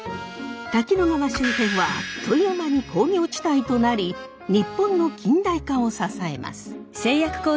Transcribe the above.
滝野川周辺はあっという間に工業地帯となり日本の近代化を支えます。